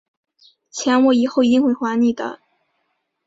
钱我以后一定会还你的